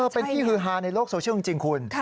เป็นที่ฮือฮาในโลกโซเชียลจริงคุณ